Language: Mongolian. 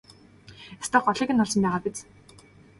Ёстой голыг нь олсон байгаа биз?